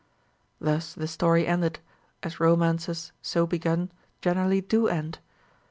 Thus the story ended, as romances so begun generally do end.